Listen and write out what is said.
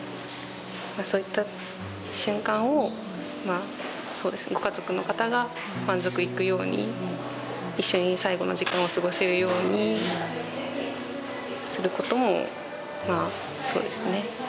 そういった瞬間をまあそうですねご家族の方が満足いくように一緒に最期の時間を過ごせるようにすることもまあそうですね